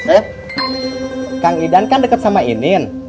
eh kang idan kan dekat sama ini